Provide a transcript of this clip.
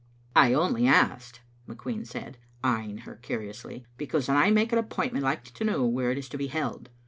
"I only asked," McQueen said, eyeing her curiously, " because when I make an appointment I like to know where it is to be held.